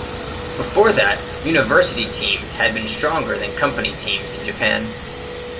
Before that, university teams had been stronger than company teams in Japan.